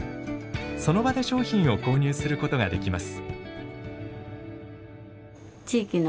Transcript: その場で商品を購入することができます。